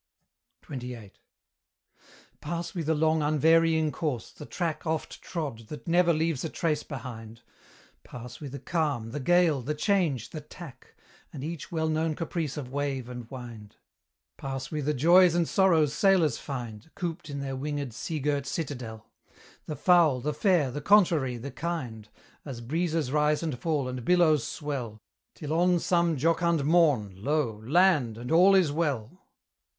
XXVIII. Pass we the long, unvarying course, the track Oft trod, that never leaves a trace behind; Pass we the calm, the gale, the change, the tack, And each well known caprice of wave and wind; Pass we the joys and sorrows sailors find, Cooped in their winged sea girt citadel; The foul, the fair, the contrary, the kind, As breezes rise and fall, and billows swell, Till on some jocund morn lo, land! and all is well.